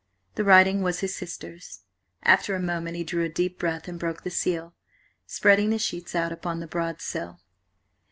The writing was his sister's. After a moment he drew a deep breath and broke the seal, spreading the sheets out upon the broad sill.